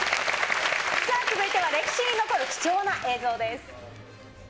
さあ続いては歴史に残る貴重な映像です。